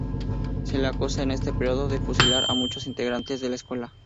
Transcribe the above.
Se le acusa en este periodo de fusilar a muchos integrantes de la escuela.